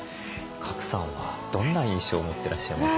賀来さんはどんな印象を持ってらっしゃいます？